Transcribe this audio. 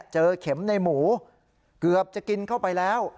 เจอเข็มในหมูเกือบจะกินเข้าไปแล้ว